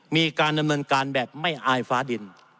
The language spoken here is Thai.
มีการดำเนินการแบบไม่อายฟ้าดิน